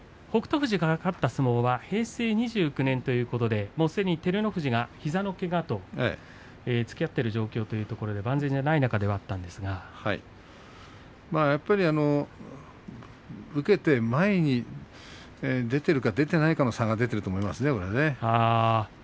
富士が勝った相撲は平成２９年ということですでに照ノ富士が膝のけがとつきあっている状況ということで万全ではない中ではやっぱり受けて前に出ているか出ていないかの差が出ていると思いますね。